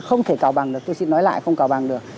không thể cạo bằng được tôi xin nói lại không cạo bằng được